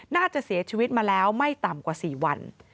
น่าจะเสียชีวิตมาแล้วไม่ต่ำกว่า๔วัน